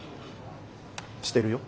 してるよ。